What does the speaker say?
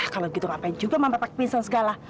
kalau gitu ngapain juga mama pak pingsan segala